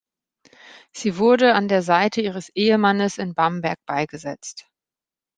Sie wurde an der Seite ihres Ehemannes in Bamberg beigesetzt.